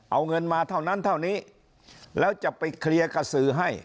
เอาเงินมาเท่านั้นเท่านี้แล้วจะไปเคลียร์กับสื่อให้